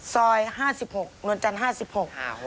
ซอย๕๖โนยะจันทร์๕๖